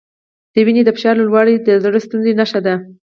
د وینې د فشار لوړوالی د زړۀ ستونزې نښه ده.